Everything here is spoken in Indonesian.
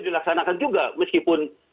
dilaksanakan juga meskipun